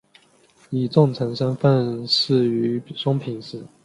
以重臣身份仕于松平氏。